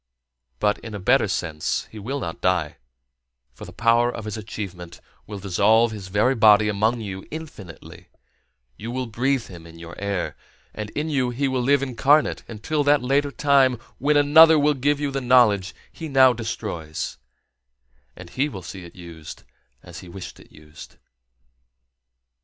But, in a better sense, he will not die, for the power of his achievement will dissolve his very body among you infinitely; you will breathe him in your air; and in you he will live incarnate until that later time when another will give you the knowledge he now destroys, and he will see it used as he wished it used.